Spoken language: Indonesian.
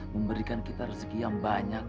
memberikan kita rezeki yang banyak